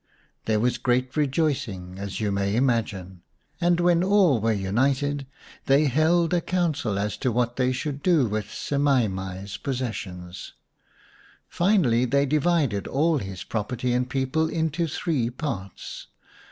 There was great rejoicing, as you may imagine, and when all were united they held a council as to what they should do with Semai mai's possessions. Finally, they divided all his property and people into three parts.